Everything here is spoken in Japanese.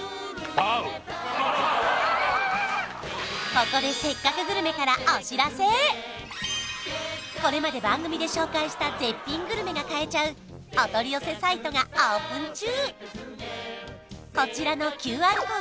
ここで「せっかくグルメ！！」からお知らせこれまで番組で紹介した絶品グルメが買えちゃうお取り寄せサイトがオープン中！